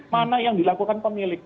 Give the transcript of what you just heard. mana yang dilakukan pemilik